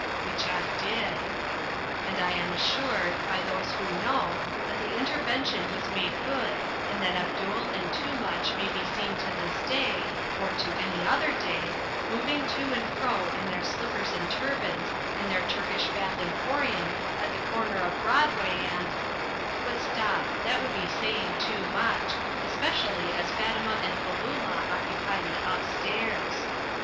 Which I did. And I am assured, by those who know, that the intervention was made good and that Abdul and Toomuch may be seen to this day, or to any other day, moving to and fro in their slippers and turbans in their Turkish Bath Emporium at the corner of Broadway and But stop; that would be saying too much, especially as Fatima and Falloola occupy the upstairs.